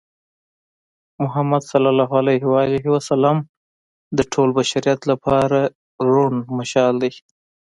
محمد ص د ټول بشریت لپاره روڼ مشال دی.